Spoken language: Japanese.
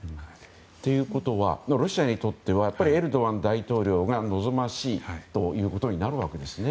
ということはロシアにとってはやっぱりエルドアン大統領が望ましいということになるわけですね。